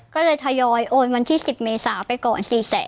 โดยโอนวันที่๑๐เมษาไปก่อน๔๐๐๐๐๐